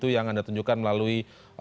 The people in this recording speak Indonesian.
yang anda tunjukkan melalui